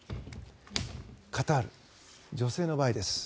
カタール、女性の場合です。